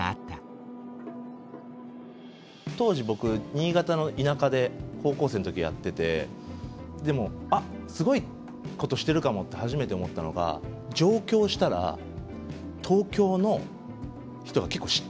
当時僕新潟の田舎で高校生の時やっててでも「あっすごいことしてるかも？」って初めて思ったのが上京したらおっ！